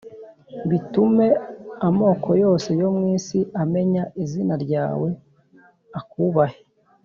bitume amoko yose yo mu isi amenya izina ryawe, akubahe,